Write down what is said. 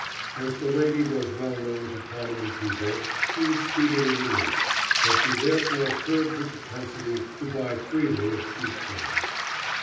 As the lady was well known to prominent people she was speedily released, but she thereafter curbed her propensity to buy freely of cheap things.